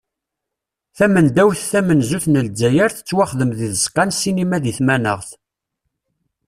Tamendawt tamenzut n Lezzayer tettwaxdem di tzeqqa n sinima di tmanaɣt.